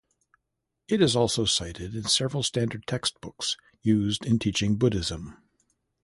It is also cited in several standard textbooks used in teaching Buddhism.